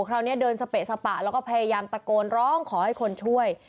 คราวนี้เดินสเปะสปะแล้วก็พยายามตะโกนร้องขอให้คนช่วย